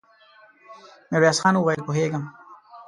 ميرويس خان وويل: پوهېږم.